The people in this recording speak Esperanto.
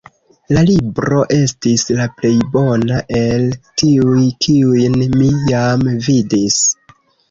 La libro estis la plej bona el tiuj, kiujn mi jam vidis.